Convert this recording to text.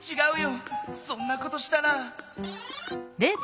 そんなことしたら。